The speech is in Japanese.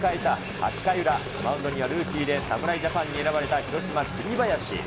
８回裏、マウンドにはルーキーで侍ジャパンに選ばれた広島、栗林。